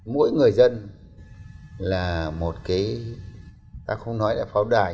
mỗi người dân là một cái ta không nói là pháo đài